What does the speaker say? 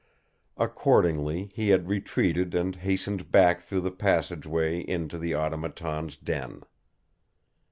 Accordingly, he had retreated and hastened back through the passageway into the Automaton's den.